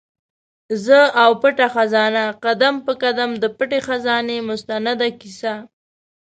زه او پټه خزانه؛ قدم په قدم د پټي خزانې مستنده کیسه